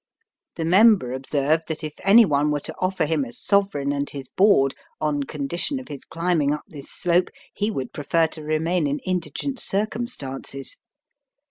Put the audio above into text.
The Member observed that if any one were to offer him a sovereign and his board on condition of his climbing up this slope, he would prefer to remain in indigent circumstances.